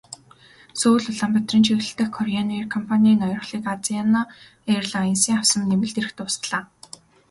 Сөүл-Улаанбаатарын чиглэл дэх Кореан эйр компанийн ноёрхлыг Азиана эйрлайнсын авсан нэмэлт эрх дуусгалаа.